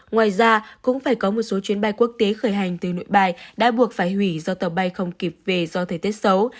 ngoài ra cũng phải có một số chuyến bay quốc tế khởi hành từ nội bài đã buộc phải hủy do tàu bay không kịp về do thời tiết xấu